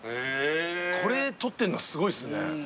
これ採ってんのはすごいっすね。